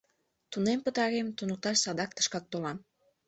Тунем пытарем, туныкташ садак тышкак толам.